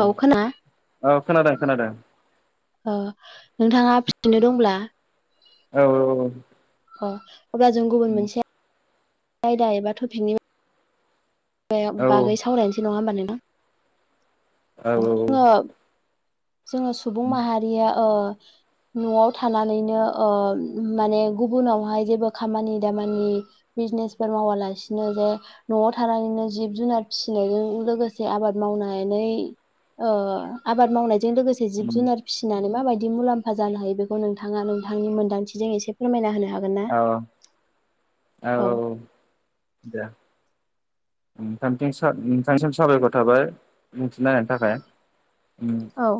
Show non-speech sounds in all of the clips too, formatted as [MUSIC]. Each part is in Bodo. औ खोना औ खोनादों खोनादों अ नोंथाङा फिसिनो दंब्ला औ औ अ अब्ला जों गुबुन मोनसे आयदा एबा टपिकनि बे औ बागै सावरायनोसै नङा होमबा नोंथां औ औ ओ जोङो जोङो सुबुं माहारिया ओ न'आव थानानैनो ओ माने गुबुनावहाय जेबो खामानि दामानि बिजनेस मावालासिनो जे न'आव था थानानैनो जिब जुनार फिसिनायजों लोगोसे आबाद मावनानै ओ आबाद मावनायजों लोगोसे जिब जुनार फिसिनानै माबायदि बिदि मुलाम्फा जानो हायो बेखौ नोंथाङा नोंथांनि मोनदांथिजों एसे फोरमायना होनो हागोन ना? औ औ औ दे ओ नोंथांथिं नोंथांनिसिम साबायखर थाबाय बुंथिना होनायनि थाखाय ओम औ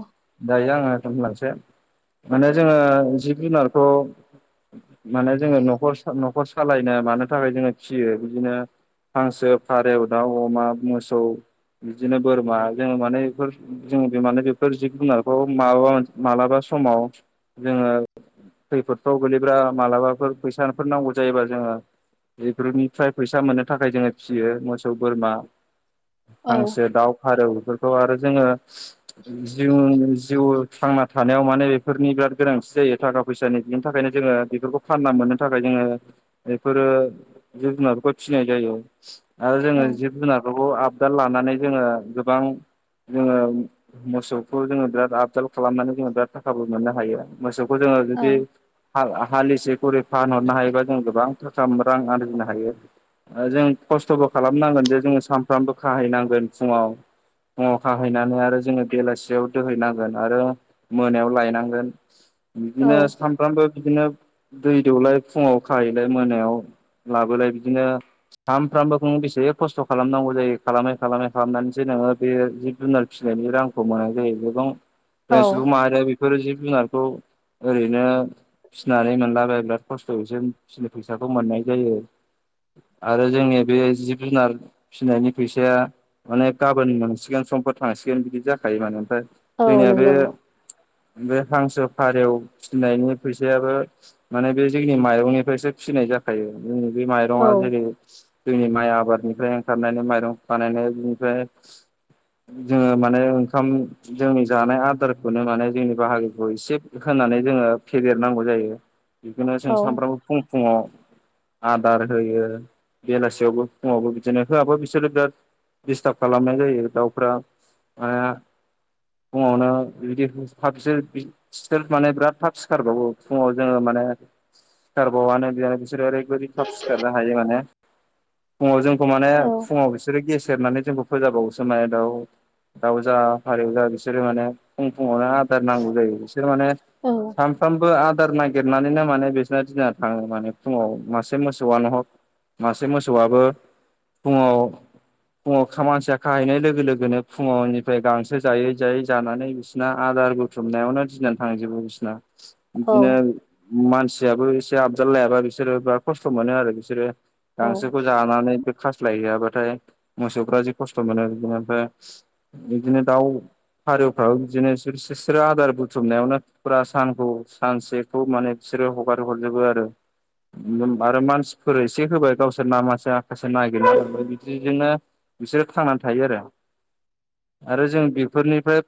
दायो आङो खोनथालांसै माने जोङो जिब जुनारखौ माने जोङो न'खर न'खर सालायनो मानो थाखाय जोङो फियो बिदिनो हांसो फारायाव दाउ अमा मोसौ बिदिनो बोरमा जोङो माने बेफोर जों बे माने बेफोर जिब जुनारखौ मा मालाबा समाव जोङो खैफोदफ्राव गोलैब्रा मालाबाफोर फैसाफोर नांगौ जायोबा जोङो बेफोरनिफ्राय फैसा मोननो थाखाय जोङो फिसियो मोसौ बोरमा औ हांसो दाउ फारौ बेफोरखौ आरो जोङो जिउ जिउ थांना थानायाव माने बेफोरनि बिराद गोनांथि जायो थाखा फैसानि बिनि थाखायनो जोङो बेफोरखौ फानना मोननो थाखाय जोङो बेफोरो जिब जुनार फोरखौ फिनाय जायो आरो औ जिब जुनारफोरखौ आबदाल लानो होननानै जोङो गोबां जोङो मोसौखौ जोङो बिराद आपदाल खालामनानै जोङो बिराद थाखाबो मोननो हायो मोसौ जोङो जुदि औ हाल‌आ हालिसे खरि फानहरनो हायोबा जों गोबां थाखा रां आरजिनो हायो ओ जों खस्थ'बो खालामनांगोन जे जोङो सानफ्रामबो खाहैनांगोन फुङाव अ खाहैनानै आरो जोङो बेलासियाव दोहैनांगोन आरो मोनायाव लायनांगोन बिदिनो औ सानफ्रामबो बिदिनो दै दौलाय फुङाव खाहैलाय मोनायाव लाबोलाय बिदिनो सामफ्रामबोखौ बेसे खस्थ' खालामनांगौ जायो खालामै खालामै खालामनानैसो नोङो बे जिब जुनार फिसिनायनि रांखौ मोननाय जायो गोबां औ जों सुबुं माहारिया बेफोर जिब जुनारखौ ओरैनो फिसिनानै मोनलाबाय बिराद खस्थ'यैसो फिनो फैसाखौ मोननाय जायो [UNINTELLIGIBLE] आरो जोंनि बे जिब जुनार फिसिनायनि फैसाया माने गाबोन मोनसिगोन समफोर थांसिगोन थिगानो बिदि जाखायो माने ओमफ्राय औ जोंनिया बे नंगौ बे हांसो फारेव फिनायनि फैसायाबो माने बे जोंनि माइरंनिफ्रायसो फै फिनाय जाखायो जोंनि बे औ माइरङा जेरै जोंनि माइ आबादनिफ्राय ओंखारनायनि माइरं बानायनाय बिनिफ्राय जोङो माने ओंखाम जोंनि जानाय आदारखौनो माने जोंनि बाहागोखौ एसे होन होननानै जोङो फेदेरनांगौ जायो बेखौनो जों औ सानफ्रामबो फुं फुङाव आदार होयो बेलासियावबो फुङावबो बिदिनो होआबा बिसोरो बिराद दिसटार्ब खालामनाय जायो दाउफ्रा मा फुङावनो बिदि [UNINTELLIGIBLE] बिसोर माने बिराद थाब सिखारबावो फुङाव जोङो म मान सिरबावानो बेहाय बिसोरो ओरैबायदि खाब सिखारनो हायो माने फुङाव जोंखौ माने औ फुङाव बिसोरो गेसेेरनानै जोंखौ फोजाबावोसो माने दाउ दाउ जा फारेव जा बिसोरो माने फुङावनो आदार नांगौ जायो बिसोर माने औ सानफ्रामबो आदार नागिरनानैनो माने बिसोरना दिना थाङो माने फुङाव मासे मोसौआनो हग मासे मोसौआबो फुङाव फुङाव खा मानसिया खाहैनाय लोगो लोगोनो फुङनिफ्राय गांसो जायै जायै जानानै बिसोरना आदार बुथुमनायावनो दिनानो थांजोबो बिसना औ बिदिनो मानसियाबो एसे आबजाल लायाबा बिसोरो बिराद खस्थ' मोनो आरो बिसोरो गांसोखौ जानानैबो खास्लाय हैयाबाथाय मोसौफ्रा जि खस्थ' मोनो बिदिनो ओमफ्राय बिदिनो दाउ फारेवफ्राबो बिदिनो बि-बि-बिस्रो आदार बुथुमनायावनो फुरा सानखौ सानसेखौ माने बिसोरो हगार हरजोबो आरो आरो मानसिफोर एसे होबाय गावसोर नामासे आसे नागिरो बिदिजोंनो बिसोरो थांनानै थायो आरो आरो जों बेफोरनिफ्राय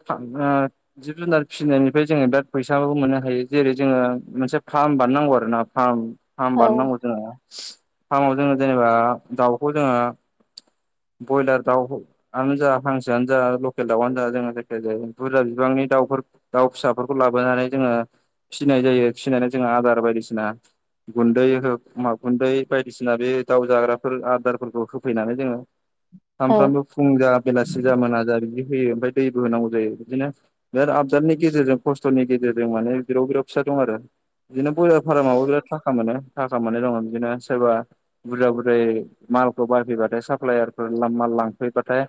आ जिब जुनार फिसिनायनिफ्राय जोङो बिराद फैसाबो मोनो बेयो जेरै जोङो मोनसे फार्म बानायनांगौ आरो ना फार्म फार्म औ बानायनांगौ जोङो फार्माव जोङो जेनेबा दाउखौ जोङो ब्रयलार दाउआनो जा हांसोआनो जा लकेल दाउआनो जा जोङो जायखिजाया बुरजा बिबां नि दाउफोर दाउ फिसाफोरखौ लाबोनानै जोङो फिसिनाय जायो फिनानै जोङो आदार बायदिसिना गुन्दै हो मा गुन्दै बायदिसिना बे दाउ जाग्राफोर आदारफोरखौ होफैनानै जोङो सामफ्रामबो फुं जा बेलासि जा मोना जा बिदि होयो ओमफ्राय दैबो होनांगौ जायो बिदिनो बिराद आबजादनि गेजेरजों खस्थ'नि गेजेरजों माने ब्रेव ब्रेव फिसा दं आरो बिदिनो ब्रयलार फार्मावबो बिराद थाखा मोनो थाखा मोननाय दङ बिदिनो सोरबा बुरजा बुरजायै मालखौ बायफैबाथाय साप्लायारफोर माल लांफैबाथाय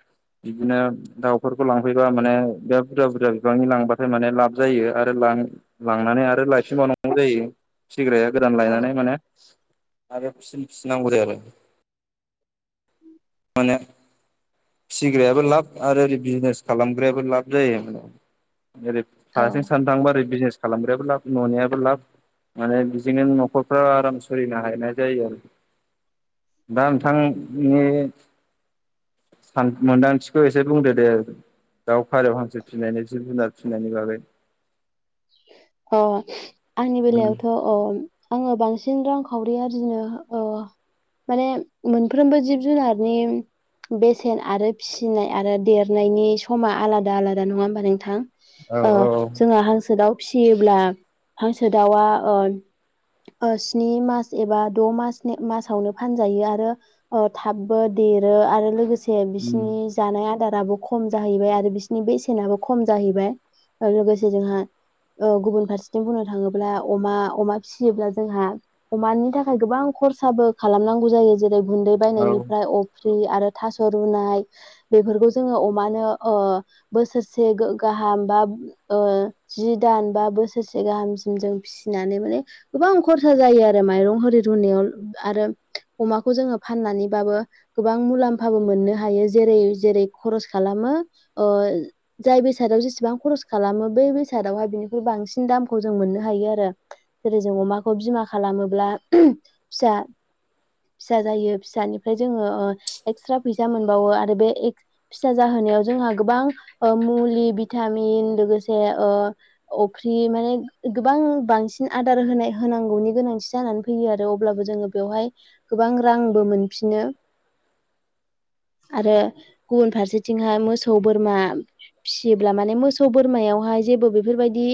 बिदिनो दाउफोरखौ लांफैबा माने बिराद बुरजा बुरजा बिबांनि लांबाथाय माने लाब जायो आरो लाब लांनानै आरो लायफिनबावनांगौ जायो फिग्राया गोदान औ लायनानै माने आरो फिसिन फिसिनांगौ जायो आरो माने फिसिग्रायाबो लाब आरो ओरै बिजनेस खालामग्रायाबो लाब जायो ओरै औ फारसें सान थांबा ओरै बिजनेस खालामग्रायाबो लाब ननियाबो लाब माने बिदिनो न'खरफ्रा आराम सोलिनो हानाय जायो आरो दा नोंथांनि सान मोन्दांथिखौ एसे बुंदो दे आरो दाउ फारेव हांसो फिनायनि जिब जुनार फिनायनि बागै अ आंनि उम बेलायावथ' अ आङो बांसिन रांखावरि आरजिनो ओ माने मोनफ्रोमबो जिब जुनारनि बेसेन आरो फिसिनाय आरो देरनायनि समा आलादा आलादा नङा होमबा नोंथां औ अ औ जोंहा हांसो दाउ फिसियोब्ला हांसो दाउआ ओ अ स्नि मास एबा द' मासनि मासावनो फानजायो आरो थाबबो देरो आरो लोगोसे उम बिसनि जानाय आदार आबो खम जाहैबाय आरो बिसिनि बेसेनाबो खम जाहैबाय लोगोसे जोंहा औ गुबुन फारसेथिं बुंनो थाङोब्ला अमा अमा फिसियोब्ला जोंहा अमानि थाखाय गोबां गोबां खरसाबो खालामनांगौ जायो जेरै गुन्दै औ बायनायनिफ्राय अफ फ्रि आरो थास' रुनाय बेफोरखौ जोङो अमानो अ बोसोरसे गो गा हामबा ओ जि दान बा बोसोरसे गाहामसिम जों फिसिनानै माने गोबां खरसा जायो आरो माइरं हरि नाय आरो अमाखौ जोङो फाननानैबाबो गोबां मुलाम्फाबो मोननो हायो जेरै जायो जेरै खरस खालामो ओ जाय बेसादाव जसेबां खरस खालामो बे बे बेसादावहाय बिनिफ्राय बांसिन दामखौ जों मोननो हायो आरो जेरै जों अमाखौ बिमा खालामोब्ला फिसा फिसा जायो फिसानिफ्राय जोङो ओ एक्सट्रा फैसा मोनबावो आरो बे फिसा जाहो जोंहा गोबां ओ मुलि भिटामिन लोगोसे अफ्रि माने गोबां बांसिन आदार होनाय होनांगौनि गोनांथि जानानै फैयो आरो अब्लाबो जोङो बेवहाय गोबां रांबो मोनफिनो आरो गुबुन फारसेथिंहाय मोसौ बोरमा फिसियोब्ला माने मोसौ बोरमायावहाय जेबो बे बेफोरबायदि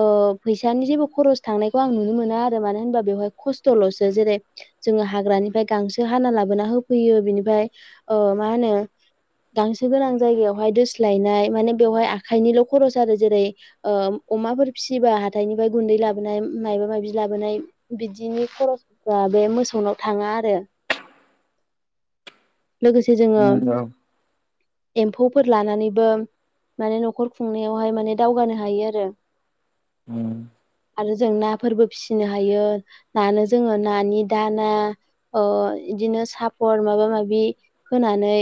ओ फैसानि जेबो खरस थांनायखौ आं नुनो मोनो आरो मानो होनोबा बेवहाय खस्थ'ल'सो जेरै जोङो हाग्रानिफ्राय गांसो हाना लाबोना होफैयो बिनिफ्राय ओ मा होनो गांसो गोनां जायगायावहाय दोस्लायनाय माने बेवहाय आखाइनिल' खरस आरो जेरै ओ अमाफोर फिसियोबा हाथाइनिफ्राय गुन्दै लाबोनाय माबा माबि लाबोनाय बिदिनि खरस दा बे मोसौनाव थाङा आरो लोगोसे जोङो उम औ एम्फौफोर लानानैबो माने न'खर खुंनायावहाय माने दावगानो हायो आरो उम आरो जों नाफोरबो फिसिनो हायो नानो जोङो नानि दाना ओ इदिनो सापर माबा माबि होनानै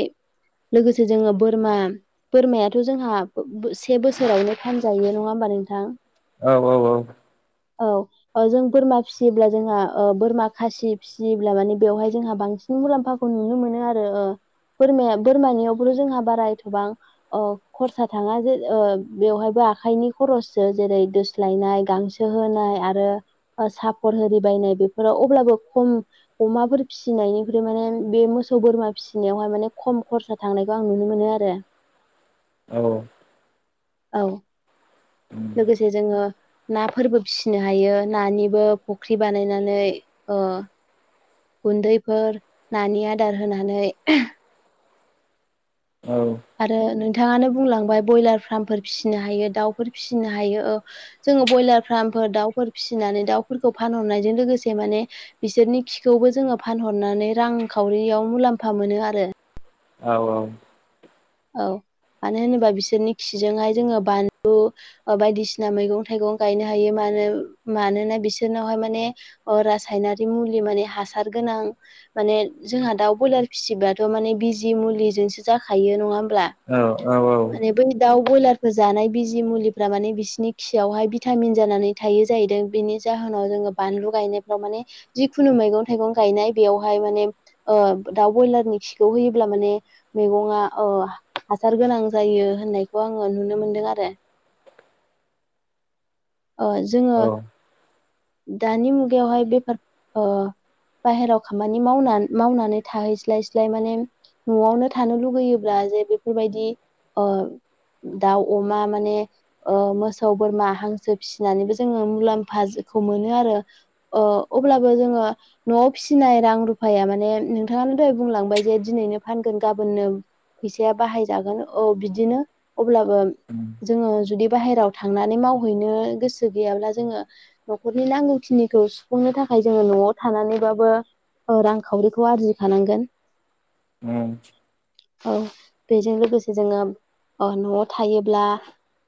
लोगोसे जोङो बोरमा बोरमायाथ' जोंहा से बोसोरावनो फानजायो नङा होमबा नोंथां औ औ औ औ जों बोरमा फिसियोब्ला जोंहा ओ बोरमा खासि फिसियोब्ला माने बेवहाय जोंहा बां सिन मुलाम्फाखौ नुनो मोनो आरो ओ बोरमाया बोरमानियावबोथ' जोंहा बारा एथबां अ खरसा थाङा जे ओ बेवहायबो आखाइनि खरस जेरै दोस्लायनाय गांसो होनाय आरो सापर होरि बाय नाय बेफोराव अब्लाबो खम अमाफोर फिसिनायनिख्रुइ माने बे मोस सौ बोरमा फिसिनायावहाय माने खम खरसा थांनायखौ आं नुनो मोनो आरो औ औ लोगोसे जोङो नाफोरबो फिसिनो हायो नानिबो फुख्रि बानायनानै ओ गुन्दैफोर नानि आदार होनानै आरो नो थाङानो बुंलांबाय ब्रयलार फार्मफोर फिसिनो हायो दाउफोर फिसिनो हायो जोङो ब्रयलार फार्म फोर दाउफोर फिसिनानै दाउफोरखौ फानहरनायजों लोगोसे माने बिसोरनि खिखौबो जोङो फानहरना नै रांखावरियाव मुलाम्फा मोनो आरो औ औ औ मानो होनोबा बिसोरनि खिजोंहाय जोङो बानलु बायदिसिना मैगं थाइगं गायनो हायो मा मानो मानोना बिसोरनावहाय माने ओ रासायनारि मुलि माने हासार गोनां माने जोंहा दाउ ब्रयलार फिसिब्लाथ' माने बिजि मुलिजोंसो जाखायो नङा होन औ औ औ दाउ ब्रयलारफोर जानाय बिजि मुलिफ्रा माने बिसोरनि खियावहाय भिटामिन जानानै थायो जाहैदों बिनि जाहोनाव जोङो बानलु गायनायफ्राव माने जिखुनु मैगं थाइगं गायनाय बेवहाय माने ओ दाउ बयलारनि खिखौ होयोब्ला माने मैगंआ ओ हासार गोनां जायो होननायखौ आङो नुनो मोनदों आरो ओ जोङो औ दानि मुगायावहाय बेफार ओ बाहेराव खामानि मावनानै मावनानै थाहैस्लायस्लाय माने न'आवनो थानो लुगैयोब्ला जे बेफोरबायदि ओ दाउ, अमा, माने ओ मोसौ, बोरमा, हांसो फिसिनानैबो जोङो मुलाम्फा खौ मोनो आरो। ओ अब्लाबो जोङो न'आव फिसिनाय रां रुफाया माने नोंथाङा दहाय बुंलांबाय जे दिनैनो फानगोन गाबोननो फैसा या बाहायजागोन औ बिदिनो अब्लाबो उम जोङो जुदि बाहेरायाव थांनानै मावहैनो गोसो गैयाब्ला जोङो न'खरनि नांगौखिनिखौ सुफुंनो थाख खाय जोङो न'आव थानानैबाबो रांखावरिखौ आरजिखानांगोन उम औ बेजों लोगोसे जोङो न'आव थायोब्ला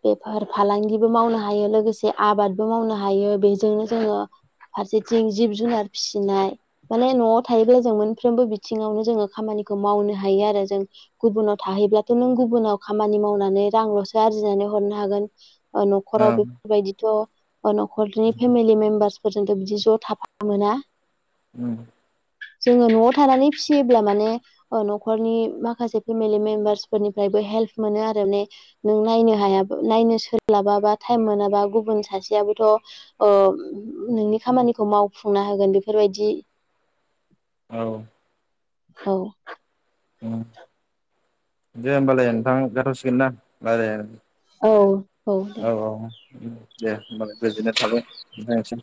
बेफार फालांगिबो मावनो हायो लोगोसे आबादबो मावनो हायो बेजोंनो जोङो फारसेथिं जिब जुनार फिसिनाय माने न'आव थायोब्ला जों मोनफ्रोमबो बिथिङावनो जोङो खामानि खौ मावनो हायो आरो जों गुबुनाव थाहैब्लाथ' नों गुबुनाव खामानि मावनानै रांल'सो आरजिनानै हरनो हागोन न'खराव ओं बेफोरबायदिथ' न'खरनि फेमिलि मेम्बारस फोरजोंथ' बिदि ज' थाफानो मोना! उम। जोङो न'आव थानानै फिसियोब्ला माने न'खरनि माखासे पेमि लि मेमबारसफोरनिफ्रायबो हेल्प मोनो आरो ने नों नायनो हाया नायनो सोलाबाबाथाय। मोनाबा गुबुन सासेयाबोथ' नोंनि खामानिखौ मावफुंना होगोन बेफोरबायदि। जि। औ। औ। उम दे होनोमबालाय नोंथां जाथ'सिगोन ना रायला औ औ दे! दे होनोमबालाय गोजोननाय थाबाय नोंथांनिसिम।